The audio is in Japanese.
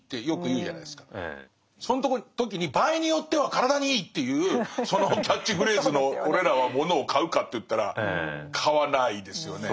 その時に「場合によっては体にいい」っていうそのキャッチフレーズの俺らはものを買うかといったら買わないですよね。